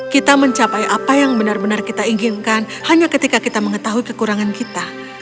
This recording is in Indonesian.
kita mencapai apa yang benar benar kita inginkan hanya ketika kita mengetahui kekurangan kita